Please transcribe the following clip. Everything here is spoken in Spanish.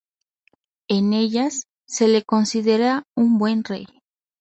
En ellas se le considera un buen rey.